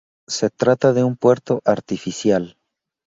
Se trata de un puerto artificial.